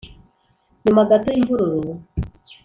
Nyuma gato y imvururu